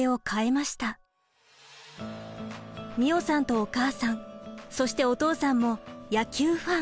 美桜さんとお母さんそしてお父さんも野球ファン。